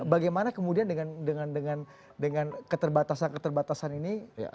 bagaimana kemudian dengan keterbatasan keterbatasan ini